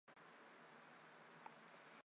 央街在多伦多有着重要的影响。